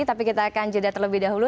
tapi kita akan jeda terlebih dahulu